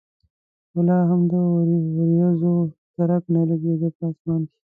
خو لا هم د ورېځو درک نه لګېده په اسمان کې.